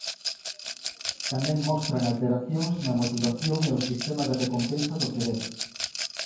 Tamén mostran alteracións na motivación e o sistema de recompensa do cerebro.